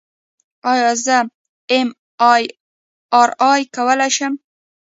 ایا زه ایم آر آی کولی شم؟